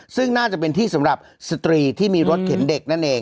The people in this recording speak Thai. ซึ่งน่าจะเป็นที่สำหรับสตรีที่มีรถเข็นเด็กนั่นเอง